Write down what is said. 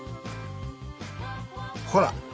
ほら！